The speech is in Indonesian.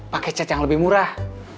pakai cat yang lebih murah